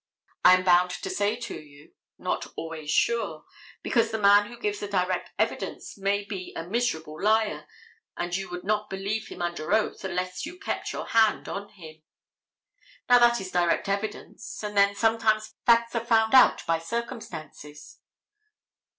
I am bound to say to you, not always sure, because the man who gives the direct evidence may be a miserable liar and you would not believe him under oath unless you kept your hand on him. Now, that is direct evidence and then sometimes facts are found out by circumstances.